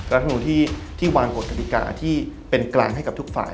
รัฐมนุนที่วางกฎกฎิกาที่เป็นกลางให้กับทุกฝ่าย